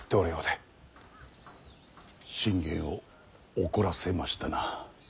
信玄を怒らせましたな。